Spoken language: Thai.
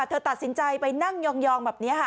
เธอตัดสินใจไปนั่งยองแบบนี้ค่ะ